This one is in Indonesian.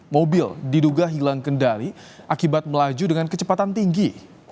mobil diduga hilang kendali akibat melaju dengan kecepatan tinggi